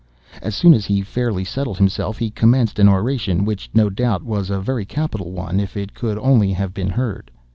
As soon as he fairly settled himself, he commenced an oration, which, no doubt, was a very capital one, if it could only have been heard.